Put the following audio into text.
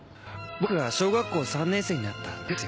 僕が小学校３年生になった夏ですよ。